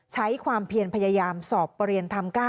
ใช้ความเพียรพยายามสอบประเรียนธรรม๙